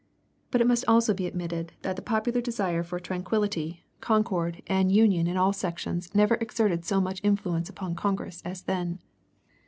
But it must also be admitted that the popular desire for tranquillity, concord, and union in all sections never exerted so much influence upon Congress as then.